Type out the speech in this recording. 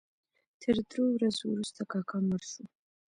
تر درو ورځو وروسته کاکا مړ شو.